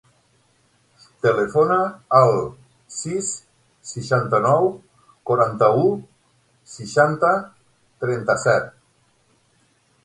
Telefona al sis, seixanta-nou, quaranta-u, seixanta, trenta-set.